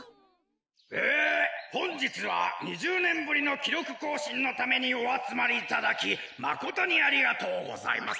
えほんじつは２０ねんぶりのきろくこうしんのためにおあつまりいただきまことにありがとうございます。